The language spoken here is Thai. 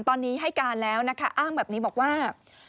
ตอนนี้ให้การแล้วนะคะอ้างแบบนี้บอกว่า